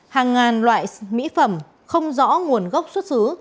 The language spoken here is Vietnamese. hàng ngàn loại mỹ phẩm không rõ nguồn gốc xuất xứ